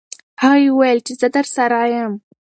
هغې وویل چې زه درسره یم.